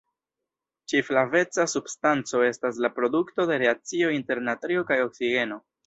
Ĉi-flaveca substanco estas la produkto de reakcio inter natrio kaj oksigeno.